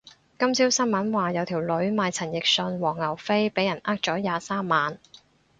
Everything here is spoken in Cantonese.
今朝新聞話有條女買陳奕迅黃牛飛俾人呃咗廿三萬